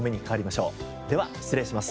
では失礼します。